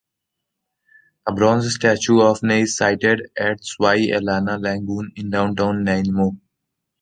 A bronze statue of Ney is sited at Swy-a-Lana Lagoon in downtown Nanaimo.